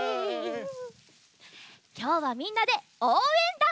きょうはみんなでおうえんだん！